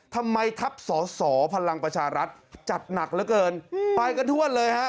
ทำไมทัพสอสอพลังประชารัฐจัดหนักเหลือเกินไปกันทั่วเลยฮะ